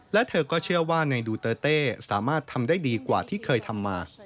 และเธอก็เชื่อว่าในดูเตอร์เต้สามารถทำได้ดีกว่าที่เคยทำมา